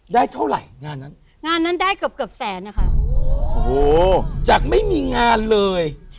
ได้เท่าไหร่งานนั้นงานนั้นได้เกือบเกือบแสนนะคะโอ้โหจากไม่มีงานเลย